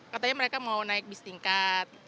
katanya mereka mau naik bus tingkat